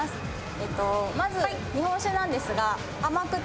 まず日本酒なんですが甘口辛口。